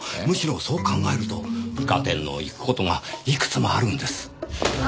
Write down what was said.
むしろそう考えると合点のいく事がいくつもあるんです。